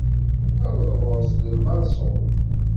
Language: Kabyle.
Aweḍ ɣur-s d lmeṛsul.